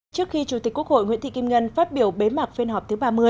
trước khi chủ tịch quốc hội nguyễn thị kim ngân phát biểu bế mạc phiên họp thứ ba mươi